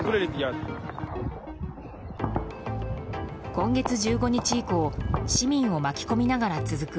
今月１５日以降市民を巻き込みながら続く